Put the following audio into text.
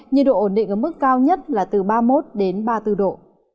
nhiệt độ ổn định ở mức cao nhất là từ ba mươi một đến ba mươi bốn độ